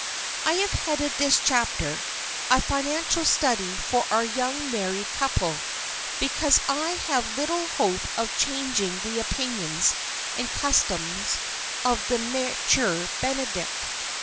I have headed this chapter "A Financial Study for Our Young Married Couple," because I have little hope of changing the opinions and custom of the mature benedict.